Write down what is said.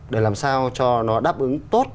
để làm sao cho nó đáp ứng tốt